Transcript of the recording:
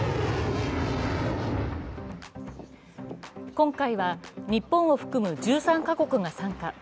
今回は、日本を含む１３か国が参加。